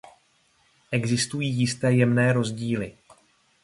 Existují jisté jemné rozdíly.